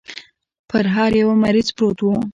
پر هر يوه مريض پروت و.